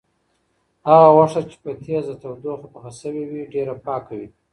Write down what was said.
هغه غوښه چې په تیزه تودوخه پخه شوې وي، ډېره پاکه وي.